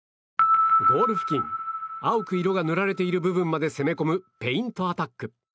ゴール付近青く色が塗られていく部分まで攻め込むペイントアタック。